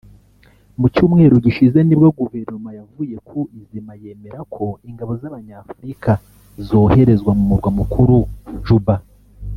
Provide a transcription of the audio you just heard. Mu cyumweru gishize nibwo Guverinoma yavuye ku izima yemera ko ingabo z’Abanyafurika zoherezwa mu murwa mukuru Juba